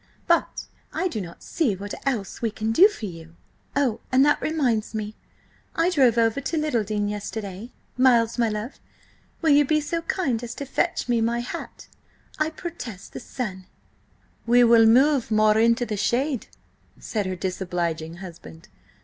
"But I do not see what else we can do for you. Oh, and that reminds me! I drove over to Littledean yesterday–Miles, my love, will you be so kind as to fetch me my hat? I protest, the sun—" "We will move more into the shade," said her disobliging husband.